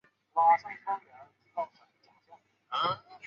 驯养的沙特瞪羚的基因分析显示它们有可能是不同的物种或混种。